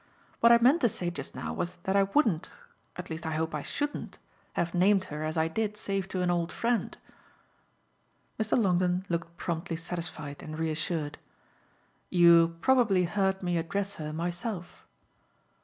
What I meant to say just now was that I wouldn't at least I hope I shouldn't have named her as I did save to an old friend." Mr. Longdon looked promptly satisfied and reassured. "You probably heard me address her myself."